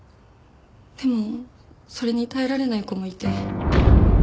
でもそれに耐えられない子もいて。